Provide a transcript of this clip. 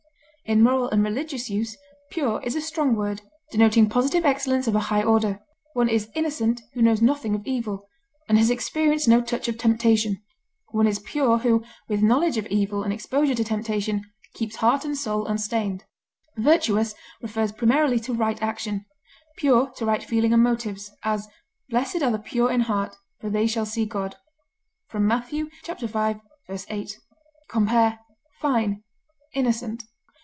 In moral and religious use pure is a strong word, denoting positive excellence of a high order; one is innocent who knows nothing of evil, and has experienced no touch of temptation; one is pure who, with knowledge of evil and exposure to temptation, keeps heart and soul unstained. Virtuous refers primarily to right action; pure to right feeling and motives; as, "Blessed are the pure in heart: for they shall see God," Matt. v, 8. Compare FINE; INNOCENT.